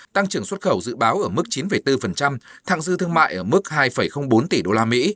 tăng trưởng xuất khẩu dự báo ở mức chín bốn thăng dư thương mại ở mức hai bốn tỷ usd